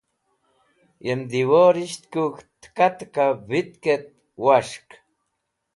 Yem diworlish kũ tika tika vitk et was̃hk.